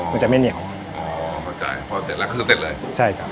มันจะไม่เหนียวอ๋อเข้าใจพอเสร็จแล้วก็คือเสร็จเลยใช่ครับ